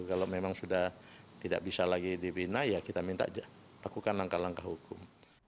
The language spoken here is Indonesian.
kalau memang sudah tidak bisa lagi dibina ya kita minta lakukan langkah langkah hukum